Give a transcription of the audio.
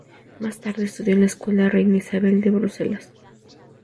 Más tarde estudió en el Escuela Reina Isabel de Bruselas.